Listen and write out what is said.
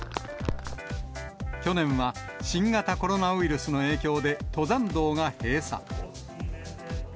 去年は、新型コロナウイルスの影響で登山道が閉鎖。